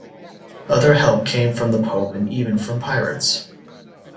Other help came from the Pope and even from pirates.